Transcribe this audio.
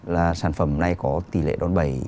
là sản phẩm này có tỷ lệ đón bày